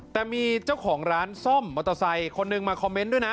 แต่มีเจ้าของร้านซ่อมมอเตอร์ไซค์คนหนึ่งมาคอมเมนต์ด้วยนะ